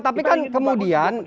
tapi kan kemudian